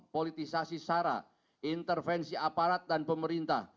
politisasi sara intervensi aparat dan pemerintah